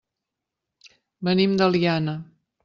Venim de l'Eliana.